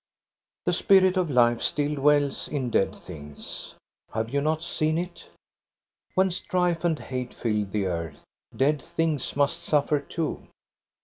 The spirit of life still dwells in dead things. Have you not seen it? When strife and hate fill the earth, dead things must suffer too.